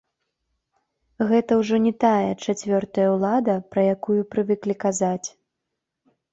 Гэта ўжо не тая чацвёртая ўлада, пра якую прывыклі казаць.